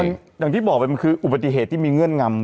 อย่างที่บอกไปมันคืออุบัติเหตุที่มีเงื่อนงำ